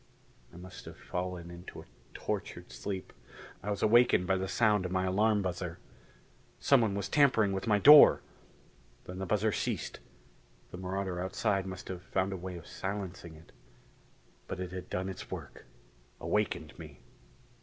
I must have fallen into a tortured sleep, I was awakened by the sound of my alarm buzzer. Someone was tampering with my door! Then the buzzer ceased; the marauder outside must have found a way of silencing it. But it had done its work awakened me.